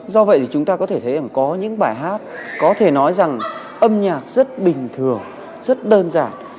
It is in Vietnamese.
do vậy thì chúng ta có thể thấy có những bài hát có thể nói rằng âm nhạc rất bình thường rất đơn giản